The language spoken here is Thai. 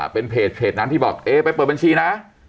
เป็นเพจนั้นที่บอกเอ๊ไปเปิดบัญชีนะ